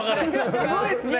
すごいっすね。